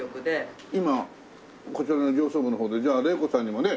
今こちらの上層部の方でじゃあ玲子さんにもね